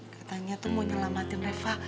katanya tuh mau nyelamatin reva